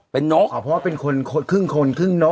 เพราะว่าเป็นคนครึ่งคนครึ่งนก